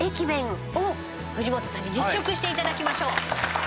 弁を藤本さんに実食していただきましょう。